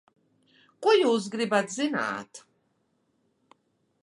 Ko jūs gribat zināt?